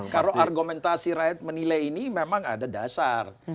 kalau argumentasi rakyat menilai ini memang ada dasar